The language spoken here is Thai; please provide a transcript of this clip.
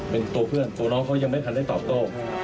เป็นตัวเพื่อนตัวน้องเขายังไม่ทันได้ตอบโต้